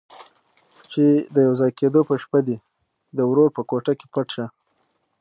چې د يوځای کېدو په شپه دې د ورور په کوټه کې پټ شه.